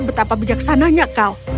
betapa bijaksananya kau